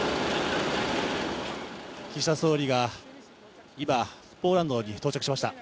岸田総理が今、ポーランドに到着しました。